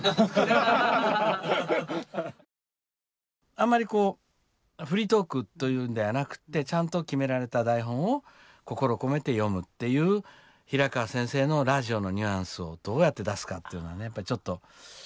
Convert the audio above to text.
あんまりこうフリートークというんではなくってちゃんと決められた台本を心込めて読むっていう平川先生のラジオのニュアンスをどうやって出すかっていうのはねやっぱちょっと。